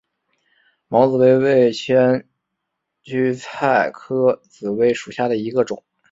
毛紫薇为千屈菜科紫薇属下的一个种。